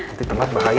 nanti telat bahaya